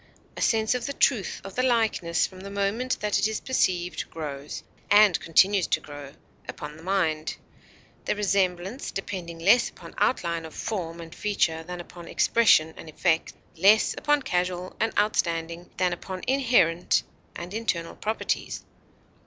a sense of the truth of the likeness from the moment that it is perceived grows and continues to grow upon the mind; the resemblance depending less upon outline of form and feature than upon expression and effect, less upon casual and outstanding than upon inherent and internal properties.